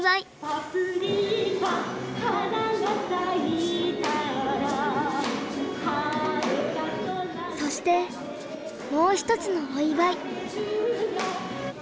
「パプリカ花が咲いたら」そしてもう一つのお祝い。